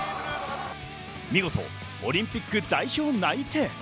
見事オリンピック代表内定。